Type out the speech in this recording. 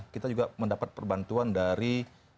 kita juga mendapat perbantuan dari